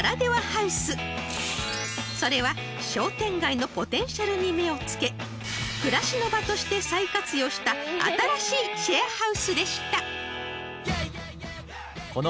［それは商店街のポテンシャルに目を付け暮らしの場として再活用した新しいシェアハウスでした］